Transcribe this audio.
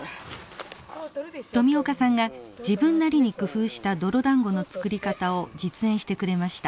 富岡さんが自分なりに工夫した泥だんごの作り方を実演してくれました。